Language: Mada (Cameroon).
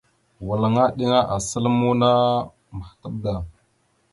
Walŋa eɗiŋa asal muuna mahətaɓ da.